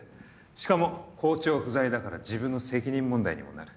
しかも校長不在だから自分の責任問題にもなる。